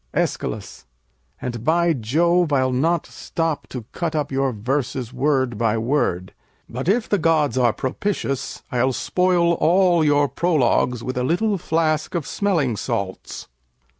] Æschylus And by Jove, I'll not stop to cut up your verses word by word, but if the gods are propitious I'll spoil all your prologues with a little flask of smelling salts.